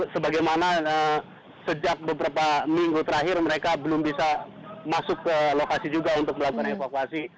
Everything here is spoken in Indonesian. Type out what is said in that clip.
sebagaimana sejak beberapa minggu terakhir mereka belum bisa masuk ke lokasi juga untuk melakukan evakuasi